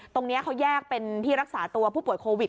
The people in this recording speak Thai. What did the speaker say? ตรงนี้เขาแยกเป็นที่รักษาตัวผู้ป่วยโควิด